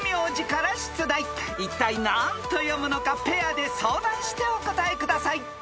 ［いったい何と読むのかペアで相談してお答えください］